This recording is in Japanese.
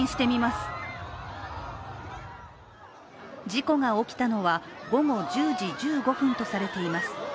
事故が起きたのは午後１０時１５分とされています。